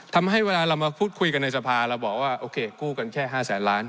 ทำให้เวลาเรามาพูดคุยกันในสภาเราบอกว่าโอเคกู้กันแค่๕แสนล้าน